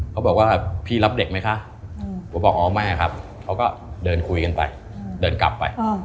เขาบอกว่าพี่รับเด็กไหมคะผมบอกอ๋อไม่ครับเขาก็เดินคุยกันไปเดินกลับไป